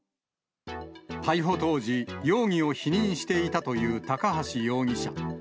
逮捕当時、容疑を否認していたという高橋容疑者。